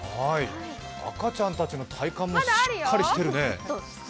赤ちゃんたちの体幹もしっかりしてるね。